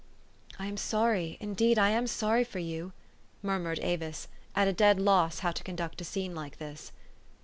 " I am sorry, indeed I am sorry for you," mur mured Avis, at a dead loss how to conduct a scene like this.